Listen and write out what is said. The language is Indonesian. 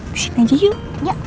disini aja yuk